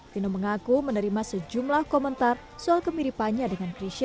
vino mengaku menerima sejumlah komentar soal kemiripannya dengan grisha